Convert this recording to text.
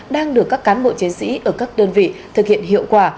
đang được các cán bộ chiến sĩ ở các đơn vị thực hiện hiệu quả